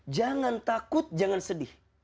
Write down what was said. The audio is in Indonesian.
jangan takut jangan sedih